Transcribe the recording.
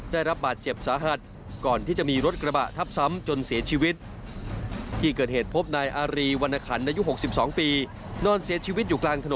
ได้รับบาดเจ็บสาหัสก่อนที่จะมีรถกระบะทับซ้ำจนเสียชีวิต